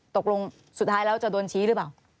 ตกลงสุดท้ายแล้วจะโดนชี้หรือเปล่า